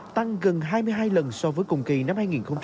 tăng gần hai mươi hai lần so với cùng kỳ năm hai nghìn hai mươi một